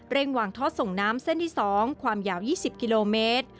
วางท่อส่งน้ำเส้นที่๒ความยาว๒๐กิโลเมตร